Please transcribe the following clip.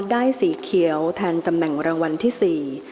สีเขียวแทนตำแหน่งรางวัลที่สี่